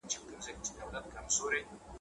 تل به غلام وي د ګاونډیانو ,